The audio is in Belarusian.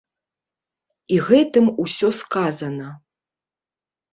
І гэтым усё сказана.